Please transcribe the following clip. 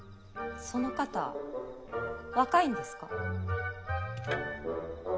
その方若いんですか？